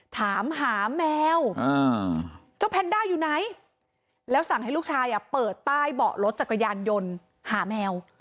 ถามหาแมวเจ้าแพนด้าอยู่ไหนแล้วสั่งให้ลูกชายเปิดใต้เบาะรถจักรยานยนต์หาแมว